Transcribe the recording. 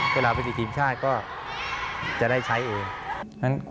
เวลาไปติดทีมชาติก็จะได้ใช้เอง